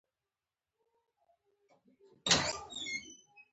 ظالمه داسي مه کوه ، موږ دي خپل یو